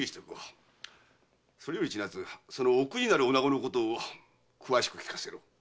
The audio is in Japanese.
それより千奈津その「お邦」なるおなごのことを詳しく聞かせろ。